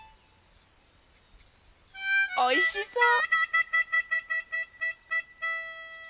おいしそう！